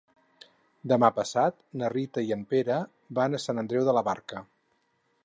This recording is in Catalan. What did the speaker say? Demà passat na Rita i en Pere van a Sant Andreu de la Barca.